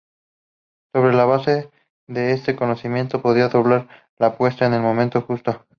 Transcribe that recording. Sobre la base de este conocimiento podrá doblar la apuesta en el momento justo.